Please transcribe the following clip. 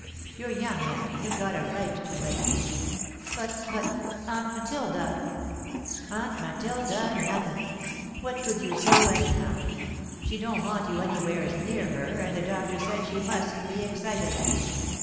You're young yet and you've got a right to it." [Sidenote: Matilda's Burden] "But but, Aunt Matilda!" "Aunt Matilda nothin'! What could you do, anyhow? She don't want you anywheres near her, and the doctor said she mustn't be excited."